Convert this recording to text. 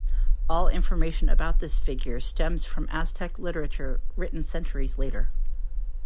All information about this figure stems from Aztec literature written centuries later.